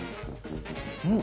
うん。